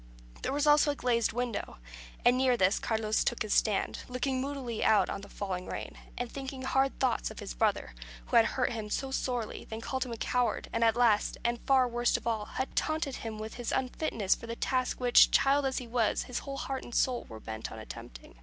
There was also a glazed window, and near this Carlos took his stand, looking moodily out on the falling rain, and thinking hard thoughts of his brother, who had first hurt him so sorely, then called him coward, and last, and far worst of all, had taunted him with his unfitness for the task which, child as he was, his whole heart and soul were bent on attempting.